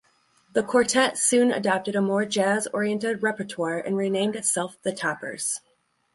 The quartet soon adopted a more jazz-oriented repertoire and renamed itself the Toppers.